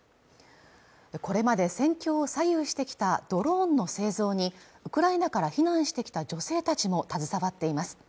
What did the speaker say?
これまで戦況を左右してきたドローンの製造にウクライナから避難してきた女性たちも携わっています